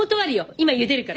今ゆでるから。